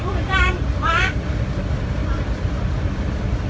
ก็ไม่มีเวลาให้กลับมาที่นี่